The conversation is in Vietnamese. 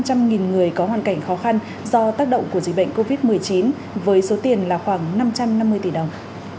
các hộ dân được hỗ trợ cho năm người có hoàn cảnh khó khăn do tác động của dịch bệnh covid một mươi chín với số tiền là khoảng năm trăm năm mươi tỷ đồng